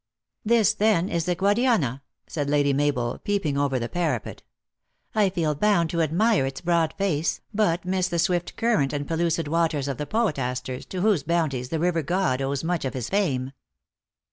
"This, then, is the Guadiana!" said Lady Mabel, peeping over the parapet. " I feel bound to admire its broad face, but miss the swift current and pellucid waters of the poetasters, to whose bounties the river god owes much of his fame."